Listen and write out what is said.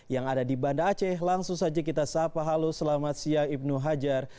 yang ada di banda aceh langsung saja kita sapa halo selamat siang ibnu hajar